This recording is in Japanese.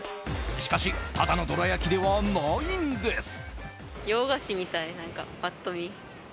しかしただのどら焼きではないんです。